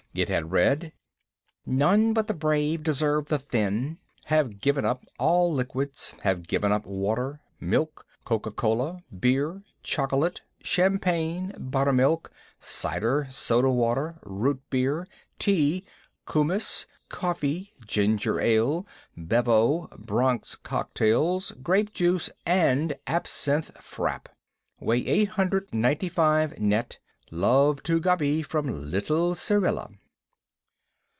It had read: None but the brave deserve the thin. Have given up all liquids. Have given up water, milk, coca cola, beer, chocolate, champagne, buttermilk, cider, soda water, root beer, tea, koumyss, coffee, ginger ale, bevo, Bronx cocktails, grape juice, and absinthe frappé. Weigh eight hundred ninety five net. Love to Gubby from little Syrilla.